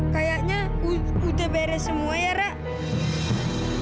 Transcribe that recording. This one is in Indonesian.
kayaknya udah beres semua ya rak